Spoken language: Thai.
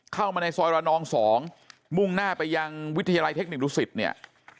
เข้ามาในซอยระนอง๒มุ่งหน้าไปยังวิทยาลัยเทคนิคดุสิตเนี่ย